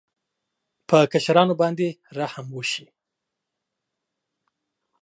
په کشرانو باید رحم وشي.